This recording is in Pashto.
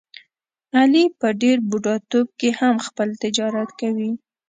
علي په ډېر بوډاتوب کې هم خپل تجارت کوي.